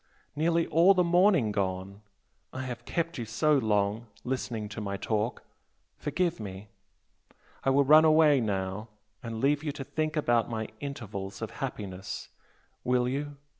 nearly all the morning gone! I have kept you so long listening to my talk forgive me! I will run away now and leave you to think about my 'intervals' of happiness, will you?